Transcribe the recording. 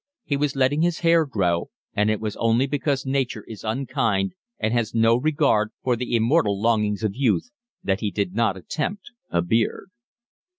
He was letting his hair grow, and it was only because Nature is unkind and has no regard for the immortal longings of youth that he did not attempt a beard.